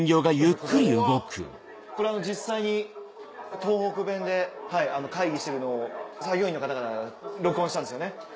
これ実際に東北弁で会議してるのを作業員の方々が録音したんですよね。